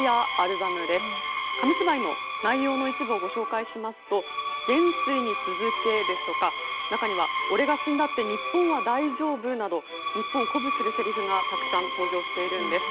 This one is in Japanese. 紙芝居の内容の一部をご紹介しますと「元帥に続け」ですとか中には「俺が死んだって日本は大丈夫！」など日本を鼓舞するせりふがたくさん登場しているんです。